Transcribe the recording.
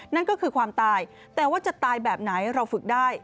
นั่นก็คือความตายแต่ว่าจะตายแบบไหนเราฝึกได้